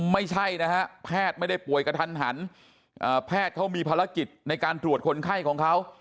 ไม่ใช่นะฮะแพทย์ไม่ได้ป่วยกระทันหันแพทย์เขามีภารกิจในการตรวจคนไข้ของเขา